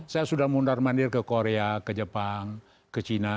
saya sudah mundur mundur ke korea ke jepang ke china gitu